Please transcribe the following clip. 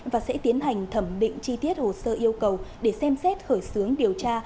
và sẽ tiến hành thẩm định chi tiết hồ sơ yêu cầu để xem xét khởi xướng điều tra